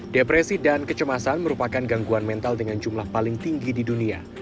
depresi dan kecemasan merupakan gangguan mental dengan jumlah paling tinggi di dunia